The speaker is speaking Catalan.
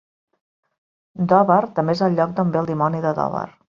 Dover també és el lloc d'on ve el Dimoni de Dover.